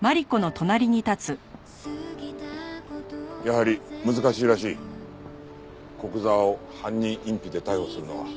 やはり難しいらしい古久沢を犯人隠避で逮捕するのは。